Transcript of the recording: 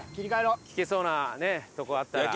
聞けそうなとこあったら。